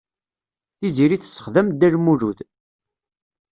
Tiziri tessexdem Dda Lmulud.